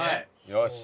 よし。